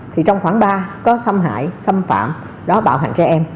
thì trong khoảng ba có xâm hại xâm phạm đó bạo hành trẻ em